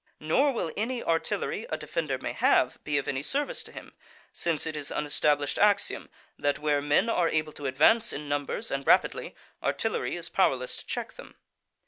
Nor will any artillery a defender may have be of any service to him; since it is an established axiom that where men are able to advance in numbers and rapidly, artillery is powerless to check them.